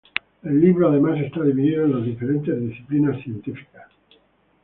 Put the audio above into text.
El libro además está dividido en las diferentes disciplinas científicas.